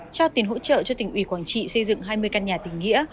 trao tiền hỗ trợ cho tỉnh ủy quảng trị xây dựng hai mươi căn nhà tỉnh nghĩa